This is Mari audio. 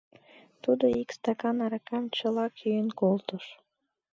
Тудо ик стакан аракам чылак йӱын колтыш.